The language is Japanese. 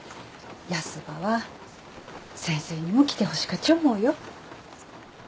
ヤスばは先生にも来てほしかち思うよ。